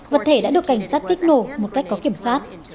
vật thể đã được cảnh sát kích nổ một cách có kiểm soát